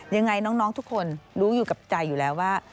ยังไงน้องทุกคนรู้อยู่กับใจอยู่แล้วว่า